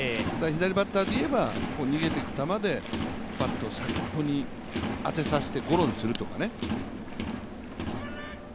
左バッターでいえば逃げていく球でバットの先に当てさせてゴロにするとかね。